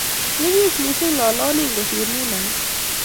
nyigiis missing lolonin kosiir nin age